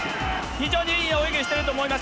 非常にいい泳ぎをしてると思います。